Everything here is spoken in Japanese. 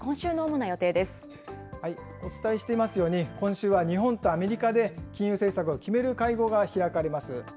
お伝えしていますように、今週は日本とアメリカで金融政策を決める会合が開かれます。